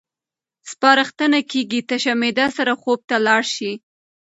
سپارښتنه کېږي تشه معده سره خوب ته لاړ شئ.